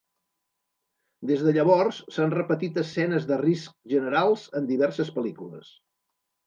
Des de llavors s'han repetit escenes de risc generals en diverses pel·lícules.